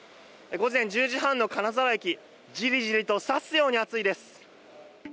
午前１０時半の金沢駅じりじりと刺すように暑いです。